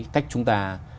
cách chúng ta